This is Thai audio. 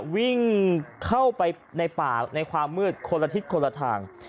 วิ่งเข้าไปในป่าในความมืดคนละทิศคนละทาง